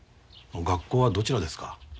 学校はどちらですか？